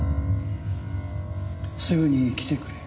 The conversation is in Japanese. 「すぐに来てくれ」